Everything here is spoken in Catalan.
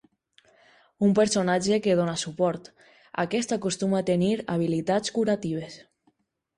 Un personatge que dóna suport, aquest acostuma a tenir habilitats curatives.